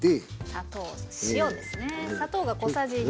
砂糖塩ですね。